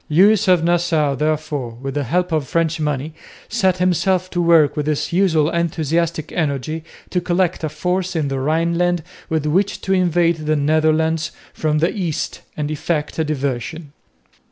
Lewis of Nassau therefore, with the help of French money, set himself to work with his usual enthusiastic energy to collect a force in the Rhineland with which to invade the Netherlands from the east and effect a diversion.